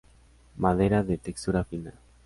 Madera de textura fina.